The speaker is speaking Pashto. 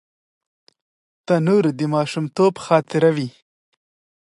تنور د ماشومتوب خاطره وي